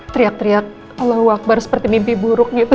teriak teriak allahu akbar seperti mimpi buruk gitu